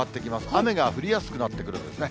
雨が降りやすくなってくるんですね。